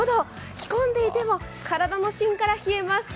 着込んでいても体の芯から冷えます。